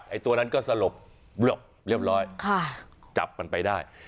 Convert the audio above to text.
ตัวนั้นก็สลบเรียบร้อยจับมันไปได้